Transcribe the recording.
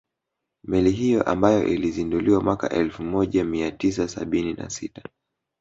Meli hiyo ambayo ilizinduliwa mwaka elfu moja mia tisa sabini na sita